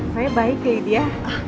saya baik lydia